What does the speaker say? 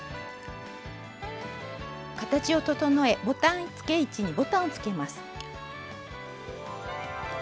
形を整えボタンつけ位置にボタンをつけます。